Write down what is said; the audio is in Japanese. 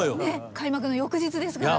開幕の翌日ですからね。